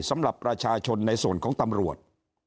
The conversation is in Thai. สำหรับประชาชนในส่วนของตำรวจ